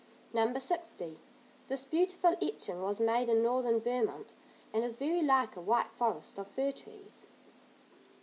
No. 60: this beautiful etching was made in northern Vermont, and is very like a white forest of fir trees.